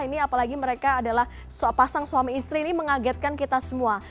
ini apalagi mereka adalah pasang suami istri ini mengagetkan kita semua